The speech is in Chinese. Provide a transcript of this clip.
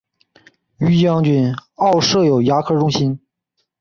于将军澳设有牙科中心。